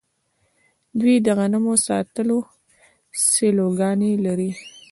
دوی د غنمو د ساتلو سیلوګانې لري.